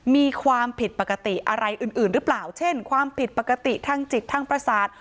มีความผิดปกติอะไรอื่นหรือเปล่าเช่นความผิดปกติทางจิตทางประสาท